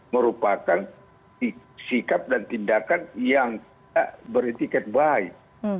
merupakan sikap dan tindakan yang tidak beretiket baik